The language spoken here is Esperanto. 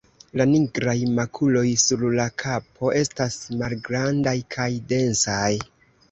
La nigraj makuloj sur la kapo estas malgrandaj kaj densaj.